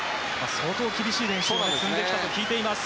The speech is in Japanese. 相当厳しい練習を積んできたと聞いています。